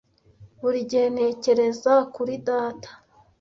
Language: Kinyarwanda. Buri gihe ntekereza kuri data